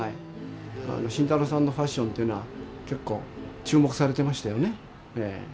慎太郎さんのファッションっていうのは結構注目されてましたよね。